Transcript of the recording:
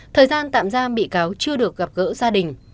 thời gian tạm giam bị cáo chưa được gặp gỡ gia đình